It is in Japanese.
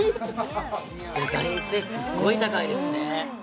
デザイン性すっごい高いですね